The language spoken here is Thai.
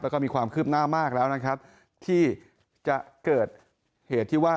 แล้วก็มีความคืบหน้ามากแล้วนะครับที่จะเกิดเหตุที่ว่า